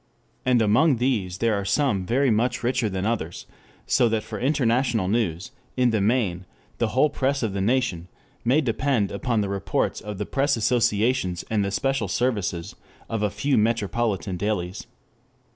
And among these there are some very much richer than others, so that for international news, in the main, the whole press of the nation may depend upon the reports of the press associations and the special services of a few metropolitan dailies.